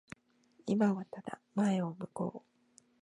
今はただ前を向こう。